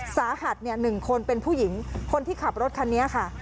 สาหัส๑คนเป็นผู้หญิงคนที่ขับรถคันนี้ค่ะ